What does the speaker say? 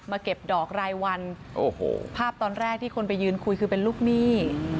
เก็บดอกรายวันโอ้โหภาพตอนแรกที่คนไปยืนคุยคือเป็นลูกหนี้